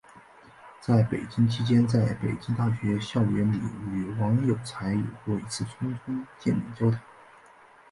在北京期间在北京大学校园里与王有才有过一次匆匆见面交谈。